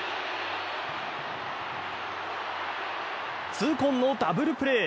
痛恨のダブルプレー。